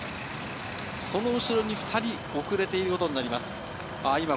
その後ろに２人遅れていることになります。